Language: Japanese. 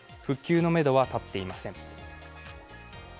復旧のめどは立っていません。